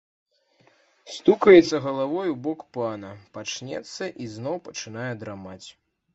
Стукаецца галавой у бок пана, прачнецца і зноў пачынае драмаць.